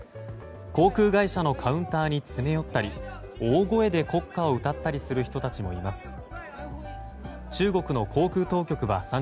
航空会社のカウンターに詰め寄ったり大声で国歌を歌ったりする人たちもいます。